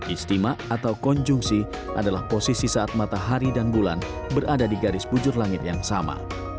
istimewa atau konjungsi adalah posisi saat matahari dan bulan berada di garis bujur langit yang sama